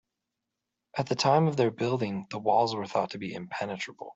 At the time of their building, the walls were thought to be impenetrable.